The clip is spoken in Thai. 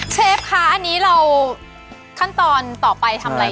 เชฟคะอันนี้เราขั้นตอนต่อไปทำอะไร